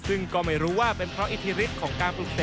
ซึ่งก็ไม่รู้ว่าเป็นเพราะอิทธิฤทธิของการโรคเสกหรือไม่